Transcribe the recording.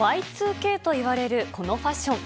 Ｙ２Ｋといわれるこのファッション。